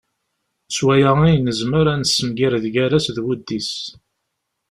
S waya ay nezmer ad nessemgired gar-as d wuddis.